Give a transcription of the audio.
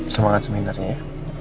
semangat seminarnya ya